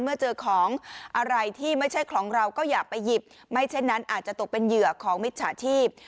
เมื่อเจอของอะไรที่ไม่ใช่ของเราก็อย่าไปหยิบไม่เช่นนั้นอาจจะตกเป็นเหยื่อของมิจฉาชีพ